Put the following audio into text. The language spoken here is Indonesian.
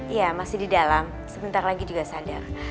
iya masih di dalam sebentar lagi juga sadar